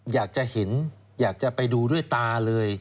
อยากจะเห็นอยากจะไปดูด้วยตาเลย